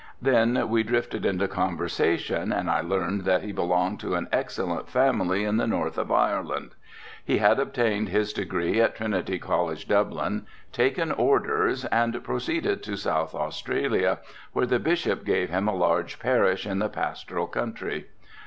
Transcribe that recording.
Then we drifted into conversation and I learned that he belonged to an excellent family in the north of Ireland. He had obtained his degree at Trinity College, Dublin, taken orders and proceeded to South Australia where the Bishop gave him a large parish in the pastoral country.